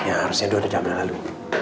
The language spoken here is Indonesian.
ya harusnya dua jam dahulu